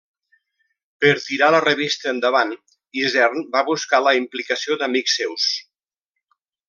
Per tirar la revista endavant, Isern va buscar la implicació d'amics seus.